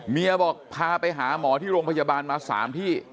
บอกพาไปหาหมอที่โรงพยาบาลมา๓ที่